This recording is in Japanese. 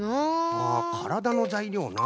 あからだのざいりょうな。